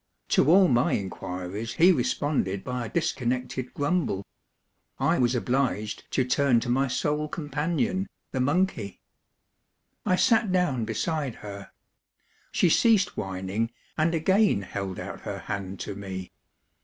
To all my inquiries he responded by a dis connected grumble. I was obliged to turn to my sole companion, the monkey. I sat down beside her ; she ceased whining, and again held out her hand to me.